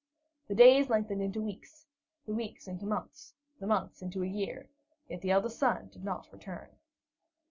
The days lengthened into weeks, the weeks into months, the months into a year, yet the eldest son did not return.